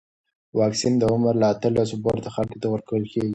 واکسن د عمر له اتلسو پورته خلکو ته ورکول کېږي.